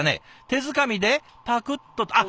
手づかみでパクッとあっ！